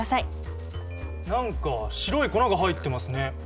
何か白い粉が入ってますね。